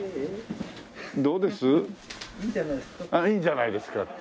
いいんじゃないですか？